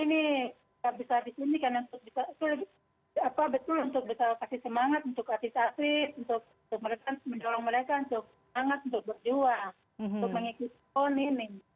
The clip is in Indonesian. ini bisa di sini karena itu betul untuk bisa kasih semangat untuk kasih kasih untuk mendorong mereka untuk berjuang untuk mengikuti pon ini